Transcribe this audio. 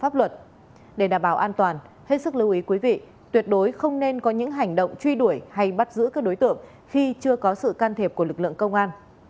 với sức lưu ý quý vị tuyệt đối không nên có những hành động truy đuổi hay bắt giữ các đối tượng khi chưa có sự can thiệp của lực lượng công an